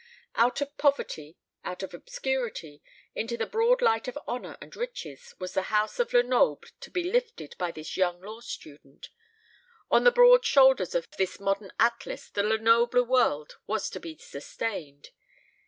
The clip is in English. Out of poverty, out of obscurity, into the broad light of honour and riches, was the house of Lenoble to be lifted by this young law student. On the broad shoulders of this modern Atlas the Lenoble world was to be sustained.